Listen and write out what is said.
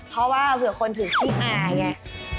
เพราะว่าเผื่อคนถือขี้อายไง